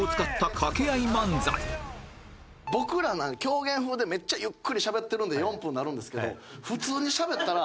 僕らのは狂言風でめっちゃゆっくりしゃべってるので４分になるんですけど普通にしゃべったら。